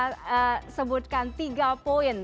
saya ingin tersebutkan tiga poin